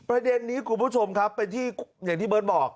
ประเด็นนี้คุณผู้ชมครับเป็นที่อย่างที่เบิร์ตบอก